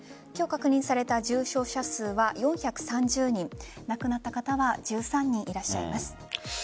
今日確認された重症者数は４３０人亡くなった方は１３人いらっしゃいます。